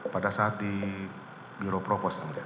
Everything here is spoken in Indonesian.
pada saat di biro propos